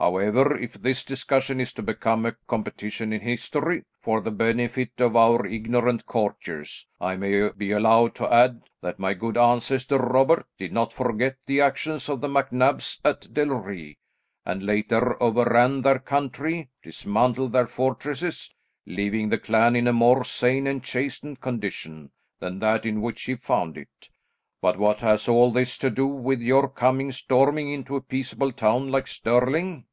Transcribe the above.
However, if this discussion is to become a competition in history, for the benefit of our ignorant courtiers, I may be allowed to add that my good ancestor, Robert, did not forget the actions of the MacNabs at Del Rhi, and later overran their country, dismantled their fortresses, leaving the clan in a more sane and chastened condition than that in which he found it. But what has all this to do with your coming storming into a peaceable town like Stirling?"